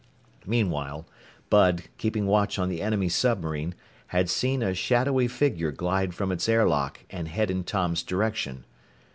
Meanwhile, Bud, keeping watch on the enemy submarine, had seen a shadowy figure glide from its air lock and head in Tom's direction.